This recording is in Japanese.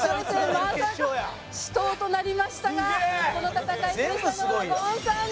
まさか死闘となりましたがこの戦い制したのはゴンさんです。